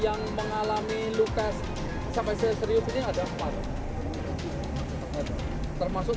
yang mengalami luka serius ini ada empat truk